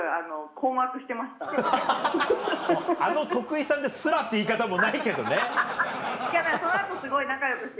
「あの徳井さんですら」って言い方もないけどね。